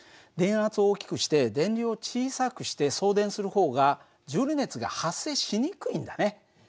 電圧を大きくして電流を小さくして送電する方がジュール熱が発生しにくいんだね。